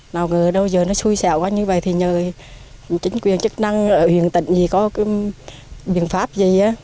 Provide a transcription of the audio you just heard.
nào ngờ đâu giờ nó xui xẻo quá như vậy thì nhờ chính quyền chức năng ở huyện tỉnh gì có cái biện pháp gì